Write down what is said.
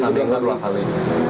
semoga selama dua kali